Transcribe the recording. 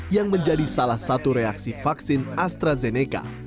yang menjadi salah satu reaksi vaksin astrazeneca